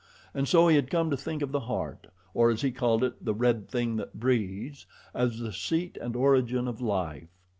And so he had come to think of the heart, or, as he called it, "the red thing that breathes," as the seat and origin of life.